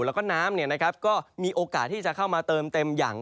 แล้วก็น้ำก็มีโอกาสที่จะเข้ามาเติมเต็มอย่าง